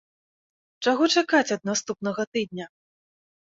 Чаго чакаць ад наступнага тыдня?